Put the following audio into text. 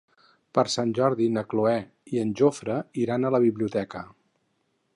Per Sant Jordi na Cloè i en Jofre iran a la biblioteca.